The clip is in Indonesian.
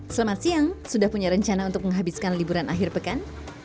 selamat siang sudah punya rencana untuk menghabiskan liburan akhir pekan